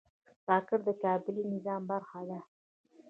کاکړ د قبایلي نظام برخه ده.